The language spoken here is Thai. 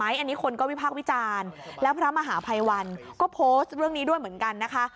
อันนี้คนวิธราควิจารย์และพระมหาภัยวัลก็โพสต์เรื่องนี้ด้วยเหมือนกันค่ะ